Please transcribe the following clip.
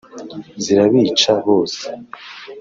zirabica bose